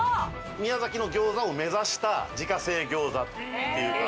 宮崎の餃子を目指した自家製餃子っていうか。